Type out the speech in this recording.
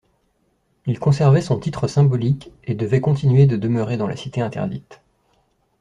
Il conservait son titre symboliquement et devait continuer de demeurer dans la cité interdite.